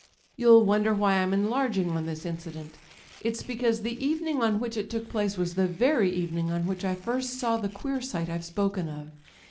"You'll wonder why I'm enlarging on this incident. It's because the evening on which it took place was the very evening on which I first saw the queer sight I've spoken of.